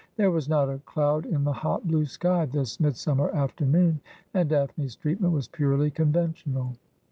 There was not a cloud in the hot blue sky this midsummer afternoon, and Daphne's treatment was purely conventional.